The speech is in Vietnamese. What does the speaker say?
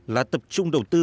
là tập trung đầu tư